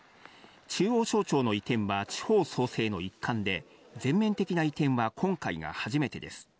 中央省庁の移転は地方創生の一環で、全面的な移転は今回が初めてです。